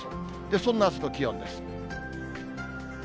そんなあすの気温です。